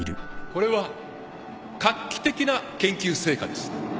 これは画期的な研究成果です